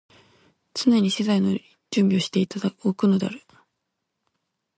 常に詩材の準備をして置くのである。